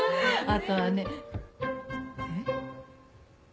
あとはねえっ？